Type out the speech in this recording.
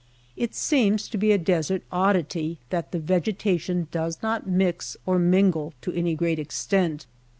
It seems to be a desert oddity that the vegeta tion does not mix or mingle to any great ex tent.